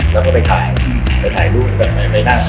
แล้วก็ไปถ่ายไปถ่ายรูปไปนั่งหน้าขาวเข้ามา